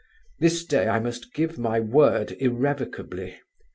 This day I must give my word irrevocably.